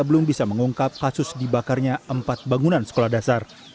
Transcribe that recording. belum bisa mengungkap kasus dibakarnya empat bangunan sekolah dasar